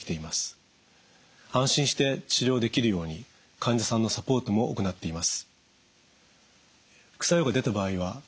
安心して治療できるように患者さんのサポートも行っています。